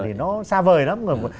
thì nó xa vời lắm